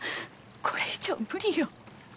これ以上無理よ。